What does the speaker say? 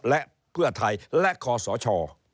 และเพื่อไทยและคอสช